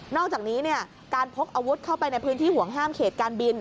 อกจากนี้การพกอาวุธเข้าไปในพื้นที่ห่วงห้ามเขตการบิน